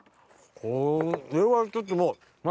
これはちょっともう。